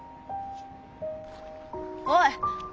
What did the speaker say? おい！